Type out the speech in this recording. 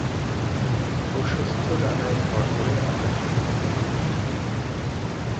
প্রশস্ত ডানায় ভর করে আকাশে ওড়ে।